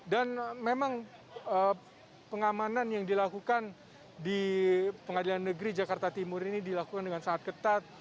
dan memang pengamanan yang dilakukan di pengadilan negeri jakarta timur ini dilakukan dengan sangat ketat